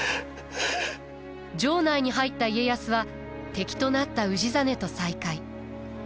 城内に入った家康は敵となった氏真と再会。